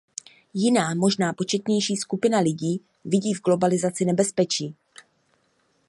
Jiná, možná početnější skupina lidí, vidí v globalizaci nebezpečí.